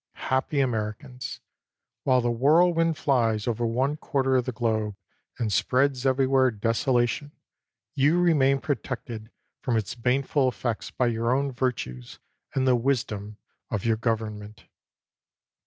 Happy Americans! While the whirlwind flies over one quarter of the globe, and spreads everywhere desolation, you remain protected from its bane ful effects by your own virtues, and the wisdom of your government.